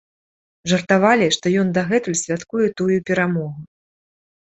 Жартавалі, што ён дагэтуль святкуе тую перамогу.